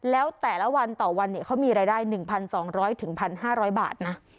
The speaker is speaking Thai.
แล้วแต่ละวันต่อวันเขามีรายได้๑๒๐๐๑๕๐๐บาทนะ